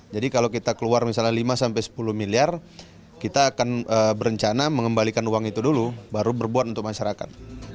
jadi kalau kita keluar misalnya lima sampai sepuluh miliar kita akan berencana mengembalikan uang itu dulu baru berbuat untuk masyarakat